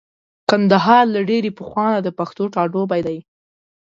کندهار له ډېرې پخوانه د پښتنو ټاټوبی دی.